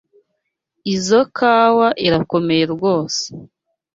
Izoi kawa irakomeye rwose.